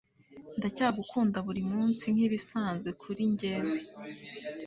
Ndacyagukunda buri munsi nkibiazwe kurinjyewe